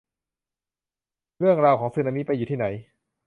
เรื่องราวของสึนามิไปอยู่ที่ไหน